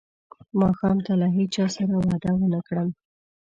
ماښام ته له هیچا سره وعده ونه کړم.